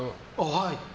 はい。